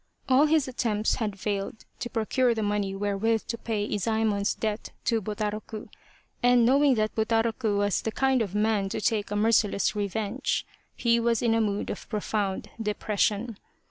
All his attempts had failed to pro cure the money wherewith to pay Izaemon's debt to Butaroku, and knowing that Butaroku was the kind of man to take a merciless revenge, he was in a mood of profound depression.